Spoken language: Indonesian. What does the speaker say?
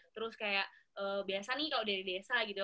terus kayak biasa nih kalau dari desa gitu